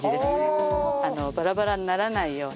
バラバラにならないように。